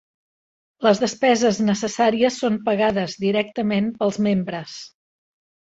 Les despeses necessàries són pagades directament pels membres.